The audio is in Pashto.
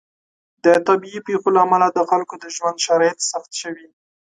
د طبیعي پیښو له امله د خلکو د ژوند شرایط سخت شوي.